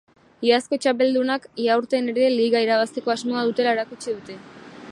Iazko txapeldunak iaurten ere liga irabazteko asmoa dutela erakutsi dute.